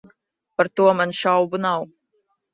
Par to man šaubu nav.